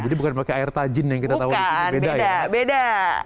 jadi bukan pakai air tajin yang kita tahu disini beda ya